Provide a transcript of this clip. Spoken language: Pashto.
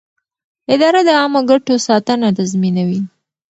اداره د عامه ګټو ساتنه تضمینوي.